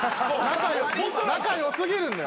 仲良過ぎるんだよ。